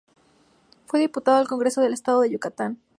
Fue diputado al Congreso del Estado de Yucatán.